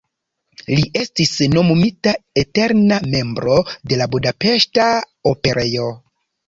Li estis nomumita eterna membro de la Budapeŝta Operejo.